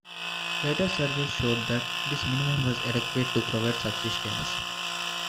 Later surveys showed that this minimum was adequate to provide subsistence.